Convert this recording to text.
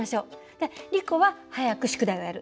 でリコは早く宿題をやる。